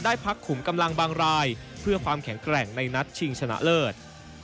พักขุมกำลังบางรายเพื่อความแข็งแกร่งในนัดชิงชนะเลิศ